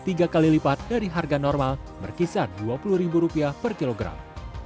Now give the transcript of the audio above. tiga kali lipat dari harga normal berkisar dua puluh per kilogram